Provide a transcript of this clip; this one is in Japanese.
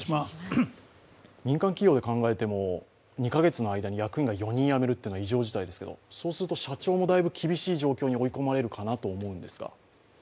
民間企業で考えても、２か月の間に役員が４人辞めるというのは異常事態ですけどそうすると社長もだいぶ厳しい状況に追い込まれると思うんですが。